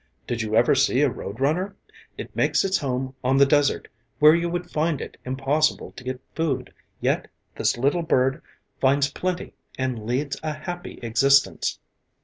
Did you ever see a road runner? It makes its home on the desert where you would find it impossible to get food, yet this little bird finds plenty and leads a happy existence.